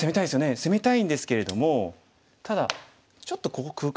攻めたいんですけれどもただちょっとここ空間ありますよね。